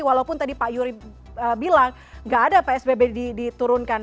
walaupun tadi pak yuri bilang nggak ada psbb diturunkan